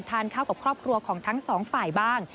ทานข้าวกับครอบครัวของทั้งสองฝ่ายบ้าง